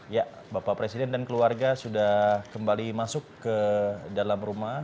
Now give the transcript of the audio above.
ya bapak presiden dan keluarga sudah kembali masuk ke dalam rumah